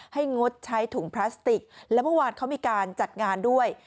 งดใช้ถุงพลาสติกและเมื่อวานเขามีการจัดงานด้วย